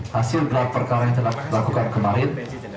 hasil gelar perkara yang telah dilakukan kemarin